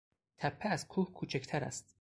تپه از کوه کوچکتر است.